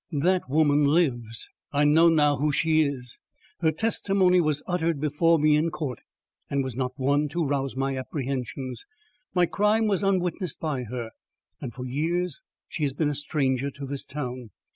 That woman lives. I know now who she is. Her testimony was uttered before me in court, and was not one to rouse my apprehensions. My crime was unwitnessed by her, and for years she has been a stranger to this town.